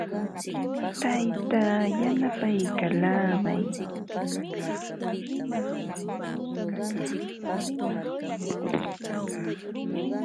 Taytaa yanapaykallaamay.